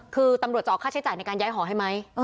คือตำรวจจะออกค่าใช้จ่ายในการย้ายหอให้ไหม